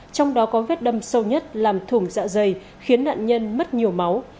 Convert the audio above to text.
trong đó có vết đâm sâu nhất làm thủng dạ dày khiến nạn nhân mất nhiều máu